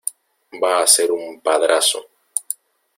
va a ser un padrazo.